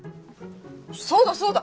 そうだそうだ